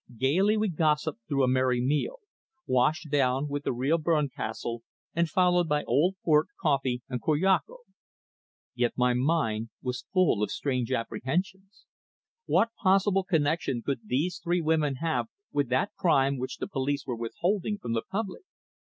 Gaily we gossiped through a merry meal, washed down with a real Berncastel, and followed by old port, coffee, and curacoa. Yet my mind was full of strange apprehensions. What possible connexion could these three women have with that crime which the police were withholding from the public?